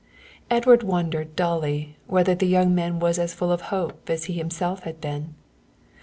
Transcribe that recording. Edward wondered dully whether the young man was as full of hope as he himself had been.